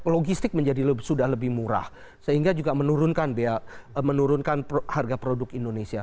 logistik menjadi sudah lebih murah sehingga juga menurunkan harga produk indonesia